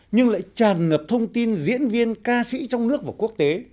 nhưng lại tràn ngập thông tin diễn viên ca sĩ trong nước và quốc tế